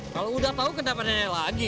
kalau udah tahu kenapa nanya lagi